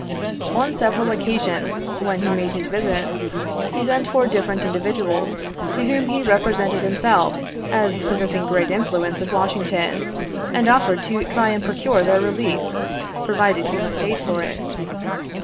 On several occasions "when he made his visits, he sent for different individuals, to whom he represented him self as possessing great influence at Washington, and offered to try and procure their release, provided he was paid for it.